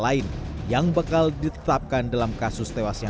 lain yang bakal ditetapkan dalam kasus tewasnya